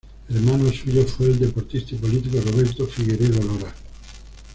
Hermano suyo fue el deportista y político Roberto Figueredo Lora.